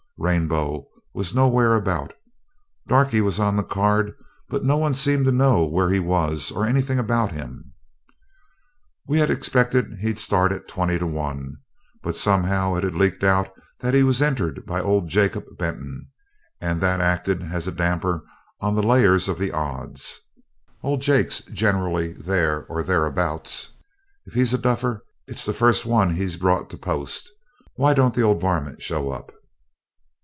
Rainbow was nowhere about. Darkie was on the card, but no one seemed to know where he was or anything about him. We expected he'd start at 20 to 1, but somehow it leaked out that he was entered by old Jacob Benton, and that acted as a damper on the layers of the odds. 'Old Jake's generally there or thereabouts. If he's a duffer, it's the first one he's brought to the post. Why don't the old varmint show up?'